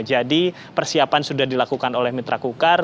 jadi persiapan sudah dilakukan oleh mitra kukar